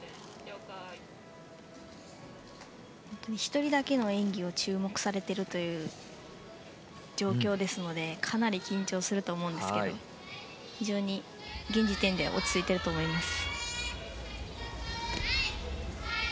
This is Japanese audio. １人だけの演技を注目されているという状況ですのでかなり緊張すると思うんですけど非常に現時点では落ち着いていると思います。